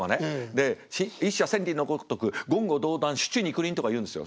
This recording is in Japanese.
で「一瀉千里のごとく言語道断酒池肉林」とか言うんですよ。